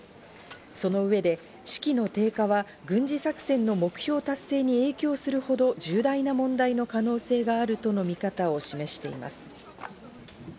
その上で士気の低下は、軍事作戦の目標達成に影響するほど重大な問題の可能性があるとの見方を示しています。